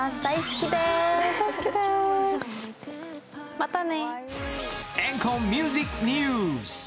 またね！